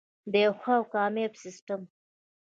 د یو ښه او کامیاب سیستم.